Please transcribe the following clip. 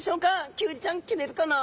キュウリちゃん切れるかな？